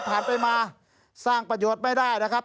ไปมาสร้างประโยชน์ไม่ได้นะครับ